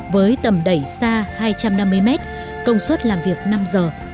với tầm đẩy xa hai trăm năm mươi mét công suất làm việc năm giờ